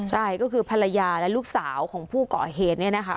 ใช่ก็คือภรรยาและลูกสาวของผู้ก่อเหตุเนี่ยนะคะ